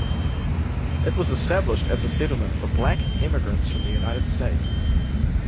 It was established as a settlement for black emigrants from the United States.